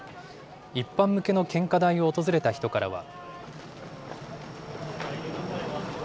一般向けの献花台を訪れた人からは。